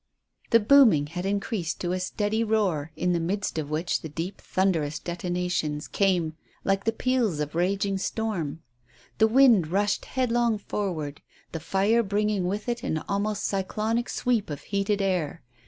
The booming had increased to a steady roar, in the midst of which the deep, thunderous detonations came like the peals of a raging storm; the wind rushed headlong forward, the fire bringing with it an almost cyclonic sweep of heated air.